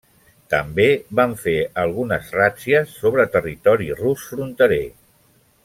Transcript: També van fer algunes ràtzies sobre territori rus fronterer.